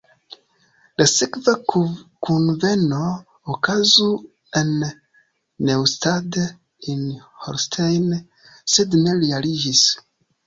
La sekva kunveno okazu en Neustadt in Holstein, sed ne realiĝis.